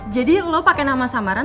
jadi lo pake nama samaran